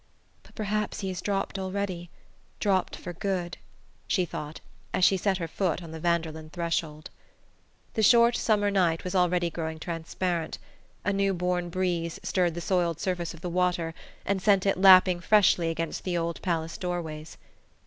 "But perhaps he has dropped already dropped for good," she thought as she set her foot on the Vanderlyn threshold. The short summer night was already growing transparent: a new born breeze stirred the soiled surface of the water and sent it lapping freshly against the old palace doorways.